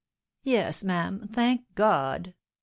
" Yes, ma'am, thank God